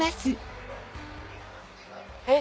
えっ？